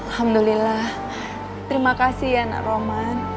alhamdulillah terima kasih ya nak roman